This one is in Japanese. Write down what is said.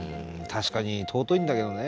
確かに尊いんだけどね。